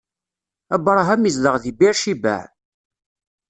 Abṛaham izdeɣ di Bir Cibaɛ.